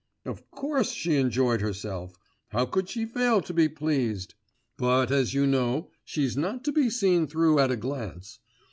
'Of course she enjoyed herself; how could she fail to be pleased? But, as you know, she's not to be seen through at a glance!